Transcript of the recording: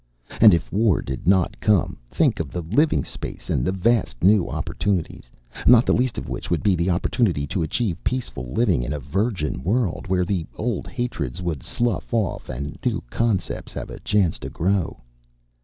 And if war did not come, think of the living space and the vast new opportunities not the least of which would be the opportunity to achieve peaceful living in a virgin world, where the old hatreds would slough off and new concepts have a chance to grow.